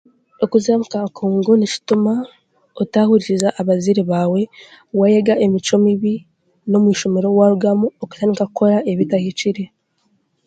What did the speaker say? Okuza omu kakungu nikituma otahurikiza abazeire baawe, wayega emicwe mibi, n'omweishomero warugamu okatandika kukora ebitahikire.